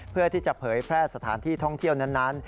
เพื่อที่จะเผยแพร่สถานที่ท่องเที่ยวนั้น